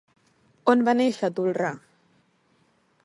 On va néixer Tolrà?